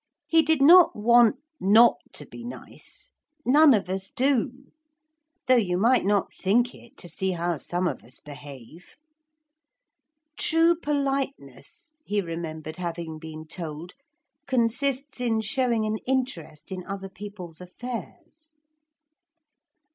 He did not want not to be nice. None of us do. Though you might not think it to see how some of us behave. True politeness, he remembered having been told, consists in showing an interest in other people's affairs.